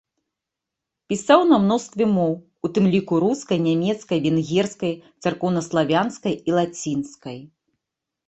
Пісаў на мностве моў, у тым ліку рускай, нямецкай, венгерскай, царкоўнаславянскай і лацінскай.